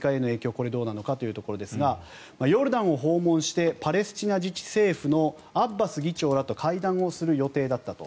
これ、どうなったのかというところですがヨルダンを訪問してパレスチナ自治政府のアッバス議長らと会談をする予定だったと。